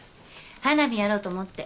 花火やろうと思って。